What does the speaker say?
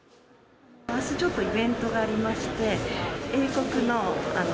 あす、ちょっとイベントがありまして。